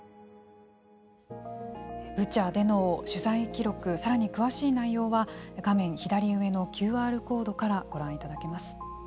ブチャでの取材記録さらに詳しい内容は画面左上のＱＲコードからご覧いただけます。